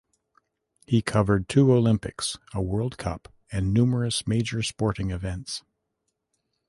He covered two Olympics, a World Cup and numerous major sporting events.